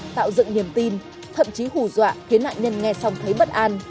tạo dựng niềm tin thậm chí hù dọa khiến nạn nhân nghe xong thấy bất an